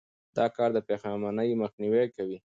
دا کار د پښېمانۍ مخنیوی کوي.